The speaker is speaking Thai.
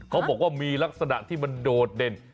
เขาบอกว่ามีลักษณะที่มันโดดเด่น